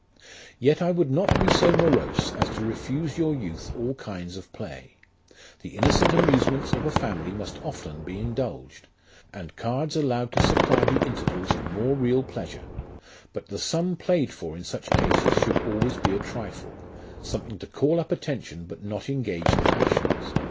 "Yet I would not be so morose as to refuse your youth all kinds of play ; the innocent amusements of a family must often be indulged, and cards allowed to supply the intervals of more real pleasure ; but the sum played for in such cases should always be a trifle ; something to call up attention but not engage the passions.